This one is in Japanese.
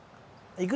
行く？